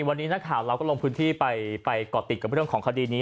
วันนี้นักข่าวเราก็ลงพื้นที่ไปก่อติดกับเรื่องของคดีนี้